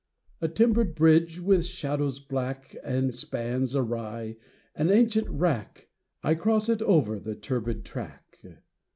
A timbered bridge with shadows black, And spans awry, an ancient wrack, I cross it over the turbid track.